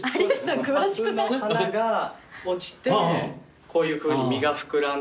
ハスの花が落ちてこういうふうに実が膨らんで。